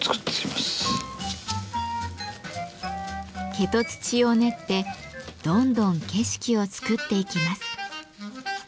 化土土を練ってどんどん景色を作っていきます。